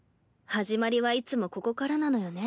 始まりはいつもここからなのよね